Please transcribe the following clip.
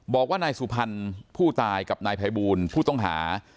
บอกว่านายสุพรรณผู้ตายกับนายภัยบูลผู้ต้องหา